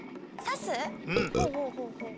ほうほうほうほう。